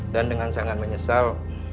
dan dengan sangat menyesal